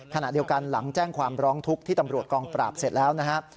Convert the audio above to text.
ขณะเดียวกันหลังแจ้งความร้องทุกข์ที่ตำรวจกองปราบเสร็จแล้วนะครับ